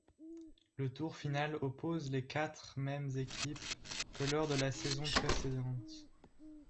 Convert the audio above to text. Le tour final oppose les quatre mêmes équipes que lors de la saison précédente.